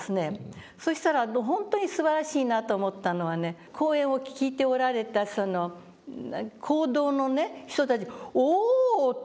そしたら本当にすばらしいなと思ったのはね講演を聞いておられたその講堂の人たち「おおっ！」って言うんですよ。